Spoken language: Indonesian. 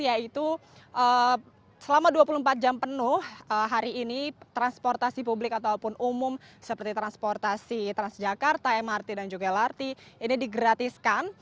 yaitu selama dua puluh empat jam penuh hari ini transportasi publik ataupun umum seperti transportasi transjakarta mrt dan juga lrt ini digratiskan